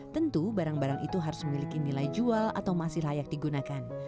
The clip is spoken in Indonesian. tentu barang barang itu harus memiliki nilai jual atau masih layak digunakan